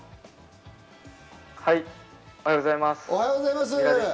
おはようございます。